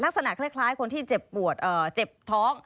ลักษณะคล้ายคนที่เจ็บปวดเจ็บท้อง